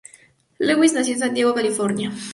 Lewis nació en San Diego, California.